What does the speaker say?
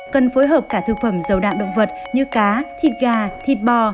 cần phối hợp cả thực phẩm dầu đạm động vật như cá thịt gà thịt bò